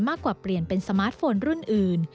มากกว่าเปลี่ยนเป็นสมาร์ทโฟนรุ่นอื่น